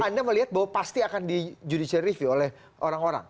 anda melihat bahwa pasti akan di judicial review oleh orang orang